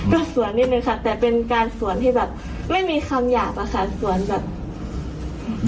ก็สวนนิดนึงค่ะแต่เป็นการสวนที่แบบไม่มีคำหยาบอะค่ะสวนแบบ